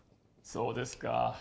そうですか。